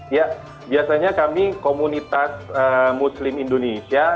ya biasanya kami komunitas muslim indonesia